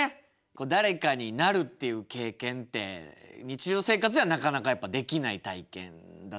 誰かになるっていう経験って日常生活ではなかなかやっぱできない体験だと思うんですけど。